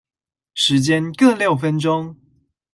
時間各六分鐘